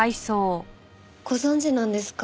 ご存じなんですか？